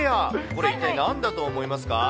これ、一体なんだと思いますか。